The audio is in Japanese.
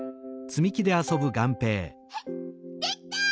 できた！